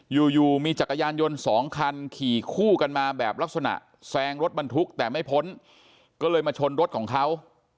อยู่อยู่มีจักรยานยนต์สองคันขี่คู่กันมาแบบลักษณะแซงรถบรรทุกแต่ไม่พ้นก็เลยมาชนรถของเขา